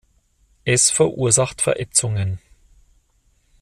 Es verursacht Verätzungen.